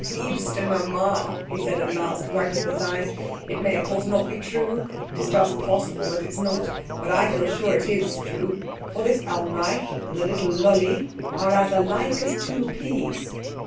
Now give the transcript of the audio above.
"Liebste Mama," he said at last, wiping his eyes, "it may of course not be true. It is just possible that it is not. But I feel sure it is true, for this Elmreich and the little Lolli are as alike as two peas.